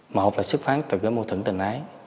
mà hoặc là sức phát từ cái mâu thửng tình ái